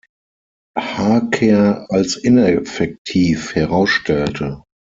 Harker als ineffektiv herausstellte.